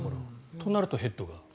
となるとヘッドは。